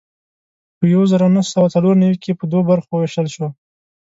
په یو زر نهه سوه څلور نوي کې په دوو برخو وېشل شو.